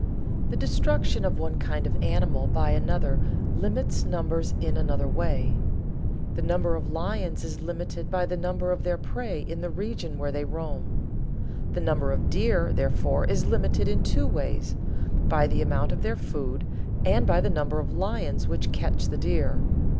The destruction of one kind of animal by another limits numbers in another way. The number of lions is limited by the number of their prey in the region where they roam. The number of deer, therefore, is limited in two ways, by the amount of their food and by the number of lions which catch the deer.